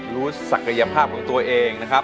ศักยภาพของตัวเองนะครับ